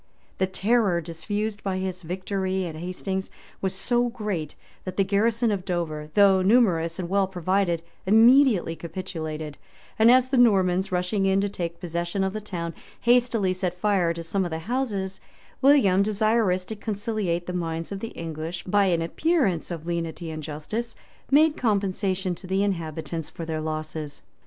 204] The terror diffused by his victory at Hastings was so great that the garrison of Dover, though numerous and well provided, immediately capitulated; and as the Normans, rushing in to take possession of the town, hastily set fire to some of the houses, William, desirous to conciliate the minds of the English by an appearance of lenity and justice, made compensation to the inhabitants for their losses.